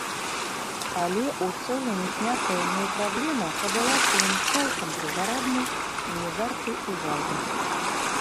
Але ў цэлым узнятая мной праблема падалася ім цалкам другараднай і не вартай увагі.